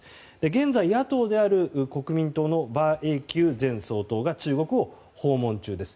現在、野党である国民党の馬英九前総統が中国を訪問中です。